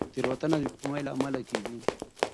تېروتنه د بې پامۍ له امله کېږي.